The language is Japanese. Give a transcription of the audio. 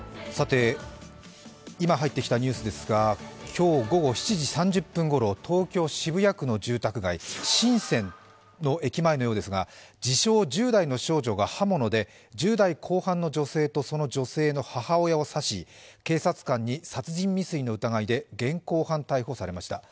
今入ってきたニュースですが今日午後７時３０分ごろ東京・渋谷区の住宅街、神泉の駅前のようですが、自称・１０代の少女が刃物で、１０代後半の女性とその女性の母親を刺し警察官に殺人未遂の疑いで現行犯逮捕されました。